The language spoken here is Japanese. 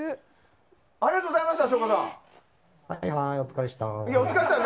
ありがとうございました省吾さん。